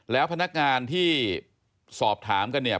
แล้วพนักงานที่สอบถามกันเนี่ย